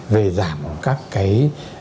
về giảm các cái